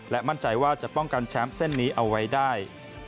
มั่นใจว่าจะป้องกันแชมป์เส้นนี้เอาไว้ได้